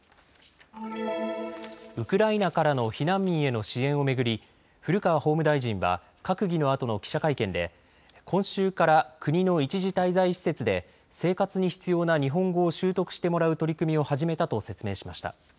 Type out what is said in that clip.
ウクライナからの避難民への支援を巡り古川法務大臣は閣議のあとの記者会見で今週から国の一時滞在施設で生活に必要な日本語を習得してもらう取り組みを始めたと説明しました。